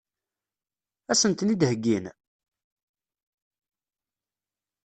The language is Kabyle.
Ad sen-ten-id-heggin?